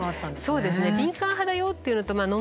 そうですね。